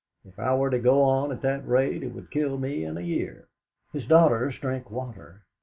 If I were to go on at that rate it would kill me in a year." His daughters drank water.